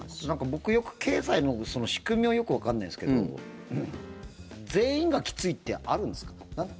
僕、経済の仕組みはよくわかんないんですけど全員がきついってあるんですか？